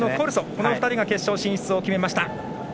この２人が決勝進出を決めました。